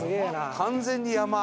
完全に山。